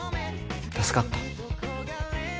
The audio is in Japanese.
助かった。